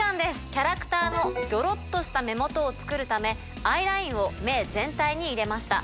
キャラクターのギョロっとした目元を作るためアイラインを目全体に入れました。